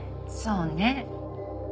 そうね。